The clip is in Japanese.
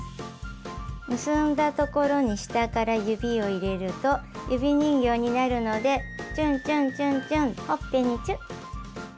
結んだ所に下から指を入れると指人形になるのでちゅんちゅんちゅんちゅんほっぺにチュ。